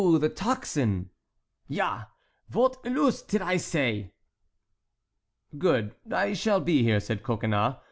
the tocsin!" "Ja, vot elus tid I zay?" "Good—I shall be here," said Coconnas.